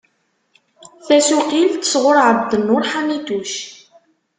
Tasuqqilt sɣur Ɛebdnnur Ḥamituc.